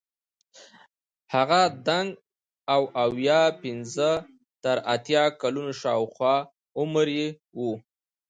هغه دنګ او اویا پنځه تر اتیا کلونو شاوخوا عمر یې وو.